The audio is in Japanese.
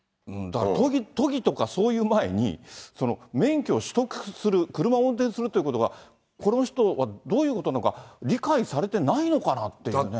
だから都議とかそういう前に、免許を取得する、車を運転するということが、この人はどういうことなのか、理解されてないのかなっていうね。